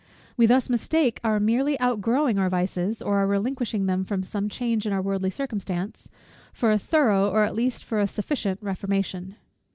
We thus mistake our merely outgrowing our vices, or our relinquishing them from some change in our worldly circumstances, for a thorough, or at least for a sufficient, reformation.